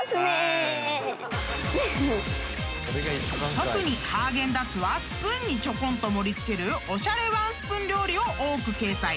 ［特にハーゲンダッツはスプーンにちょこんと盛り付けるおしゃれワンスプーン料理を多く掲載］